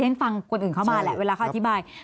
ฉันฟังคนอื่นเข้ามาแหละเวลาเขาอธิบาย